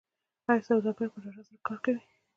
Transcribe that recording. آیا سوداګر په ډاډه زړه کار کوي؟